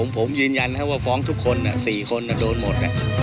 ผมยืนยันว่าฟ้องทุกคน๔คนโดนหมด